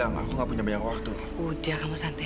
aku akan mencari tempat untuk diriku sendiri